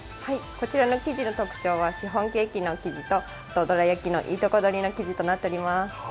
こちらの生地の特徴はシフォンケーキの生地とどら焼きのいいとこどりの生地となっています。